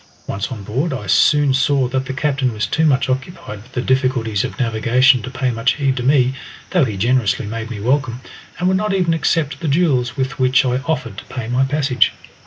Once on board, I soon saw that the captain was too much occupied with the difficulties of navigation to pay much heed to me, though he generously made me welcome, and would not even accept the jewels with which I offered to pay my passage.